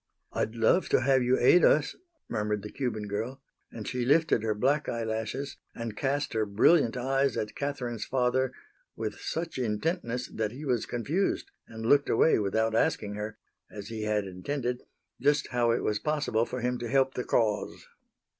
"I'd love to have you aid us," murmured the Cuban girl. And she lifted her black eyelashes and cast her brilliant eyes at Catherine's father with such intentness that he was confused and looked away without asking her, as he had intended, just how it was possible for him to help the cause.